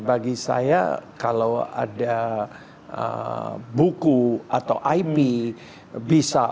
bagi saya kalau ada buku atau ip bisa